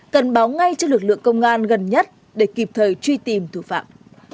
cần báo ngay cho lực lượng công an gần nhất để kịp thời truy tìm thủ phạm